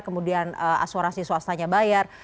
kemudian asuransi swastanya bayar